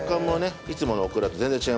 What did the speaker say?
いつものオクラと全然違いますよ。